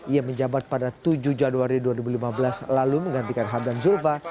ia menjabat pada tujuh januari dua ribu lima belas lalu menggantikan hamdan zulfa